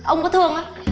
ông có thương nó